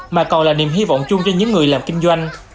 mà còn là niềm hy vọng chung cho những người làm kinh doanh